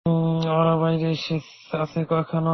ওরা বাইরে আছে এখনও?